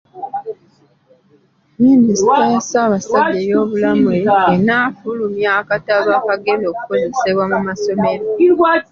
Minisitule ya Ssabasajja ey'eby'obulamu enaafulumya akatabo akagenda okukozesebwa mu masomero.